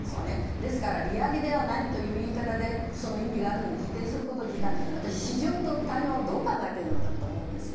ですから、利上げではないという言い方で意味があるように否定すること自体市場と対話をどう考えているのかと思うんですよ。